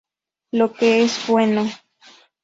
Lo que es bueno.